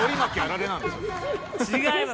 違います。